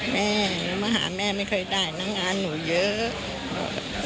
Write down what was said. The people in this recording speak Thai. แม่หนูมาหาแม่ไม่เคยได้นะงานหนูเยอะ